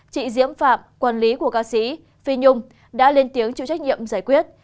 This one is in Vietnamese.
chị diễm phạm quản lý của ca sĩ phi nhung đã lên tiếng chịu trách nhiệm giải quyết